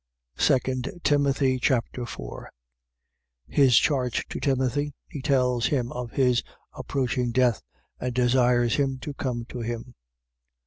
2 Timothy Chapter 4 His charge to Timothy. He tells him of his approaching death and desires him to come to him.